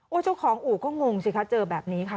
เจ้าของอู่ก็งงสิคะเจอแบบนี้ค่ะ